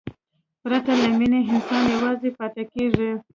پرته له مینې، انسان یوازې پاتې کېږي.